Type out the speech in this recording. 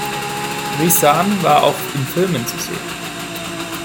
Risan war auch in Filmen zu sehen.